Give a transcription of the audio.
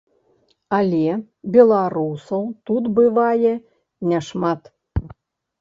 Але беларусаў тут бывае не шмат.